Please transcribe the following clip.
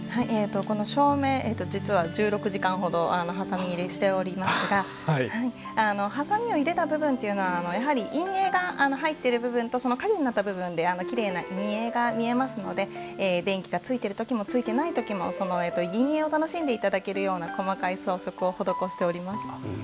この照明、実は１６時間ほどはさみ入れしておりますがはさみを入れた部分というのは陰影が入っている部分と陰になった部分できれいな陰影が見えますので電気がついているときもついていないときも陰影を楽しんでいただけるような細かい装飾を施しております。